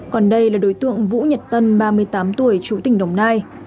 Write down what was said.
còn đây là đối tượng vũ nhật tân ba mươi tám tuổi chú tỉnh đồng nai